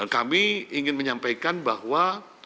kami ingin menyampaikan bahwa